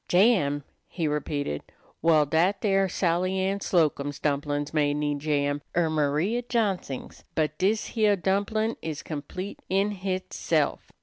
"Jam!" he repeated. "Well, dat dere Sally Ann Slocum's dumplin's may need jam, er Maria Johnsing's, but dis heah dumplin' is complete in hitself.